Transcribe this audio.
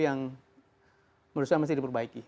yang menurut saya masih diperbaiki